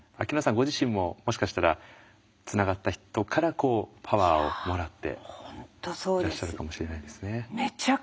ご自身ももしかしたらつながった人からこうパワーをもらっていらっしゃるかも。